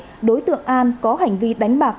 trương tuấn an có hành vi đánh bạc